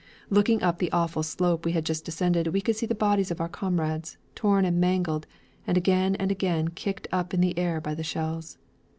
Looking up the awful slope we had just descended, we could see the bodies of our comrades, torn and mangled and again and again kicked up into the air by the shells.